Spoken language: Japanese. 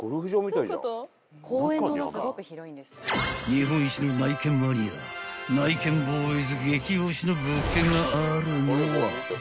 ［日本一の内見マニアないけんぼーいず激推しの物件があるのは］